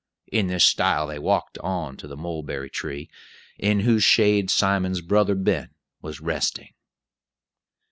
In this style they walked on to the mulberry tree, in whose shade Simon's brother Ben was resting.